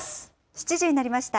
７時になりました。